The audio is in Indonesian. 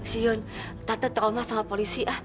siun tante trauma sama polisi